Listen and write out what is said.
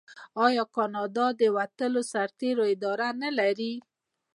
آیا کاناډا د وتلو سرتیرو اداره نلري؟